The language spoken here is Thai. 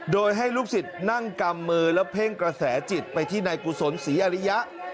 โดยให้ลูกศิษย์นั่งกำมือแล้วเพ่งกระแสจิตไปที่นายกุศลศรีอริยะ